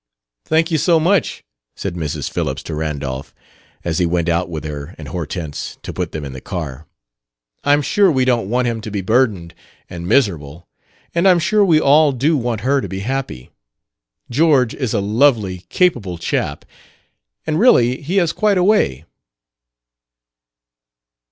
"Thank you so much," said Mrs. Phillips to Randolph, as he went out with her and Hortense to put them in the car. "I'm sure we don't want him to be burdened and miserable; and I'm sure we all do want her to be happy. George is a lovely, capable chap, and, really, he has quite a way."